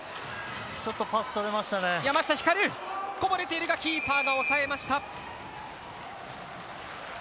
こぼれているがキーパーが抑えました。